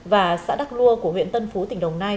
và xã đắc lua của huyện tân phú tỉnh đồng nai